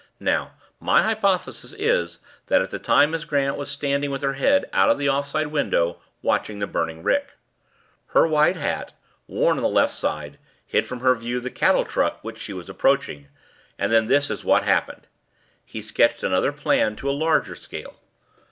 Now my hypothesis is that at that time Miss Grant was standing with her head out of the off side window, watching the burning rick. Her wide hat, worn on the left side, hid from her view the cattle truck which she was approaching, and then this is what happened." He sketched another plan to a larger scale.